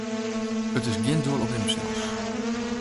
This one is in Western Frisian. It is gjin doel op himsels.